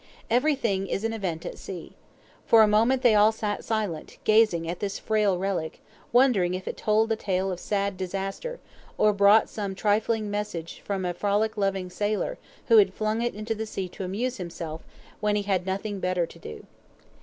Everything is an event at sea. For a moment they all sat silent, gazing at this frail relic, wondering if it told the tale of sad disaster, or brought some trifling message from a frolic loving sailor, who had flung it into the sea to amuse himself when he had nothing better to do.